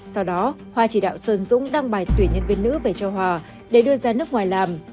sau đó hòa chỉ đạo sơn dũng đăng bài tuyển nhân viên nữ về cho hòa để đưa ra nước ngoài làm